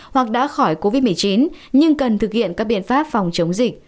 hoặc đã khỏi covid một mươi chín nhưng cần thực hiện các biện pháp phòng chống dịch